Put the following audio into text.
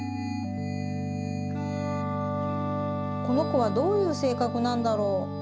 このこはどういうせいかくなんだろう？